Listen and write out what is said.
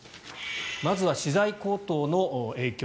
まずは資材高騰の影響。